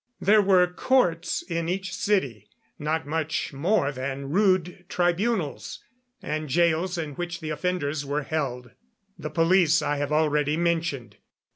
There were courts in each city, not much more than rude tribunals, and jails in which the offenders were held. The police I have already mentioned.